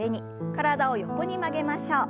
体を横に曲げましょう。